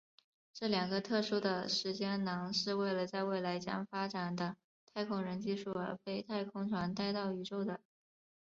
这两个特殊的时间囊是为了在未来将发展的太空人技术而被太空船带到宇宙的。